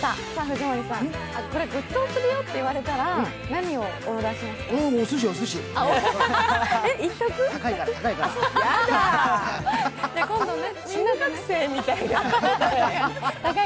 藤森さん、ごちそうするよって言われたら何を思い出しますか。